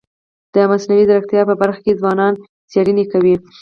د مصنوعي ځیرکتیا په برخه کي ځوانان څېړني کوي.